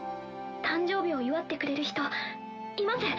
誕生日を祝ってくれる人います。